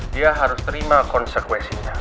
dia harus terima konsekuensinya